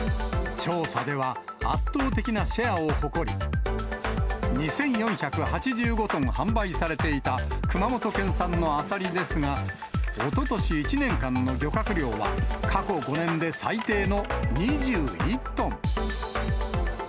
調査では、圧倒的なシェアを誇り、２４８５トン販売されていた熊本県産のアサリですが、おととし１年間の漁獲量は過去５年で最低の２１トン。